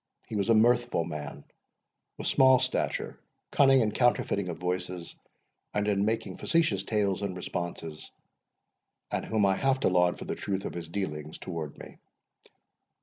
He was a mirthful man, of small stature, cunning in counterfeiting of voices, and in making facetious tales and responses, and whom I have to laud for the truth of his dealings towards me.